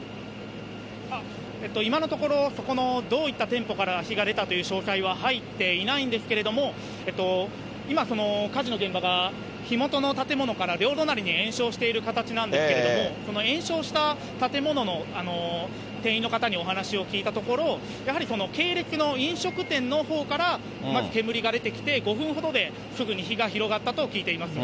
今のところ、そこのどういった店舗から火が出たという詳細は入っていないんですけれども、今、その火事の現場が火元の建物から両隣に延焼している形なんですけれども、この延焼した建物の店員の方にお話を聞いたところ、やはり系列の飲食店のほうからまず煙が出てきて、５分ほどですぐに火が広がったと聞いています。